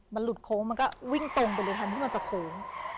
มันหลุดโค้งมันก็วิ่งตรงไปเลยทันที่มันจะโค้ง